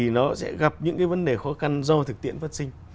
nó sẽ gặp những vấn đề khó khăn do thực tiễn phát sinh